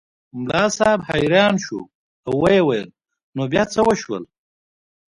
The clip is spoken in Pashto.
ملا صاحب حیران شو او ویې ویل نو بیا څه وشول.